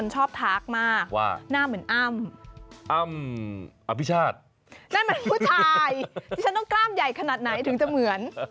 ฉันต้องกล้ามใหญ่ขนาดไหนถึงจะเหมือน